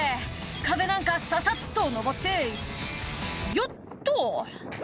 「壁なんかささっと登ってよっと！」